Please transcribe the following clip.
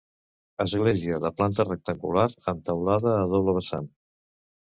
Església de planta rectangular amb teulada a doble vessant.